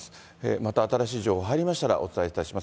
また新しい情報、入りましたらお伝えいたします。